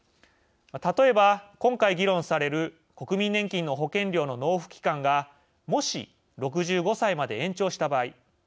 例えば、今回議論される国民年金の保険料の納付期間がもし６５歳まで延長した場合。